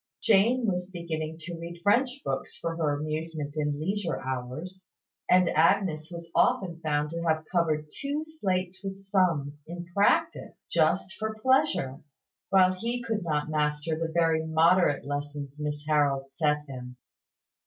Jane was beginning to read French books for her amusement in leisure hours; and Agnes was often found to have covered two slates with sums in Practice, just for pleasure, while he could not master the very moderate lessons Miss Harold set him.